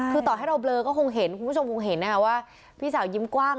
คือต่อให้เราเบลอก็คงเห็นคุณผู้ชมคงเห็นนะคะว่าพี่สาวยิ้มกว้าง